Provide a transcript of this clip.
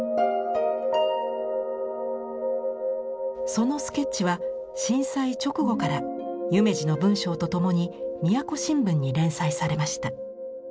そのスケッチは震災直後から夢二の文章とともに都新聞に連載されました。